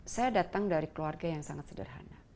saya datang dari keluarga yang sangat sederhana